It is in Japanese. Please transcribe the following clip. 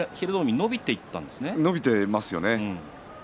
伸びていますよね。